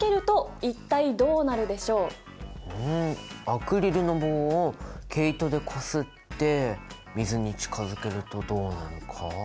「アクリルの棒を毛糸でこすって水に近づけるとどうなるか」。